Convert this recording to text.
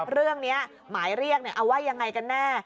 เรื่องนี้หมายเรียกเอาว่ายังไงกันแน่